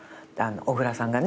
小倉さんがね。